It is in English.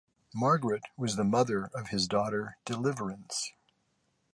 Margaret was the mother of his daughter, Deliverance.